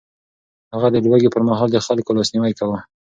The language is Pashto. هغه د لوږې پر مهال د خلکو لاسنيوی کاوه.